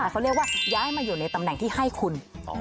เขาเรียกว่าย้ายมาอยู่ในตำแหน่งที่ให้คุณ